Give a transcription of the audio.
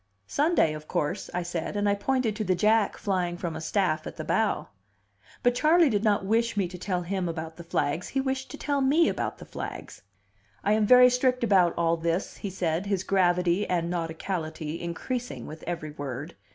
"Sunday, of course," I said; and I pointed to the Jack flying from a staff at the bow. But Charley did not wish me to tell him about the flags, he wished to tell me about the flags. "I am very strict about all this," he said, his gravity and nauticality increasing with every word.